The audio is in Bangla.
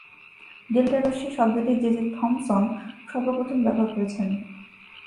ডেল্টা রশ্মি শব্দটি জে জে টমসন সর্বপ্রথম ব্যবহার করেছিলেন।